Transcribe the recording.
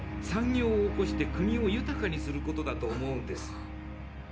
産業をおこして国を豊かにすることだと思うんです。